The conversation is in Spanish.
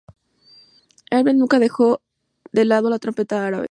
Ibrahim nunca dejó de lado la trompeta árabe.